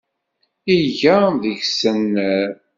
Iga deg-s annar.